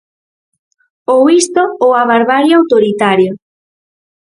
Ou isto ou a barbarie autoritaria.